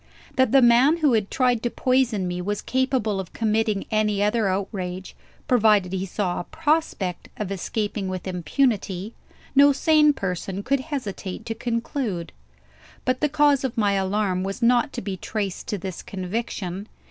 That the man who had tried to poison me was capable of committing any other outrage, provided he saw a prospect of escaping with impunity, no sane person could hesitate to conclude. But the cause of my alarm was not to be traced to this conviction.